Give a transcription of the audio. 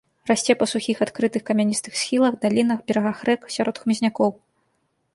Расце па сухіх, адкрытых, камяністых схілах, далінах, берагах рэк, сярод хмызнякоў.